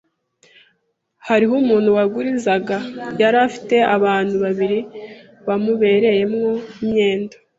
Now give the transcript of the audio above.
hariho umuntu wagurizaga, yari afite abantu babiri bamubereyemo imyenda,